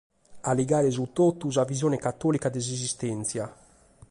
A ligare su totu sa visione catòlica de s’esistèntzia.